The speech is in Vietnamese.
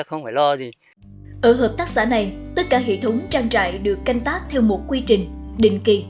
ở hợp tác xã này tất cả hệ thống trang trại được canh tác theo một quy trình định kỳ